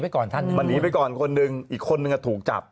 มันหนีไปก่อนคนหนึ่งอีกคนนึงก็ถูกจับ